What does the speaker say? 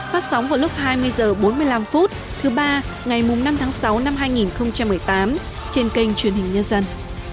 phát sóng vào lúc hai mươi h bốn mươi năm thứ ba ngày năm tháng sáu năm hai nghìn một mươi tám trên kênh truyền hình nhân dân